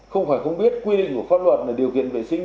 không phải không biết quy định của pháp luật là điều kiện vệ sinh